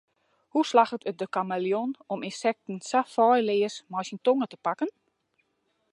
Hoe slagget it de kameleon om ynsekten sa feilleas mei syn tonge te pakken?